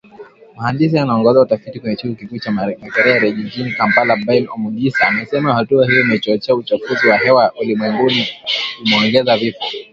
Mhandisi anaongoza utafiti kwenye chuo kikuu cha Makerere, jijini Kampala Bain Omugisa, amesema hatua hiyo imechochea uchafuzi wa hewa ulimwenguni umeongeza vifo